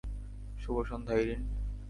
শুভ সন্ধ্যা, Irin.